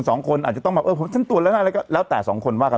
ปกติพี่หายแพนิก